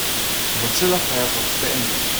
Mozilla Firefox beenden.